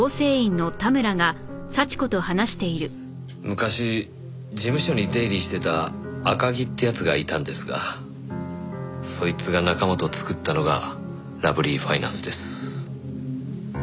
昔事務所に出入りしてた赤城って奴がいたんですがそいつが仲間と作ったのがラブリーファイナンスです。